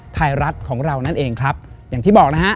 ไทยรัฐของเรานั่นเองครับอย่างที่บอกนะฮะ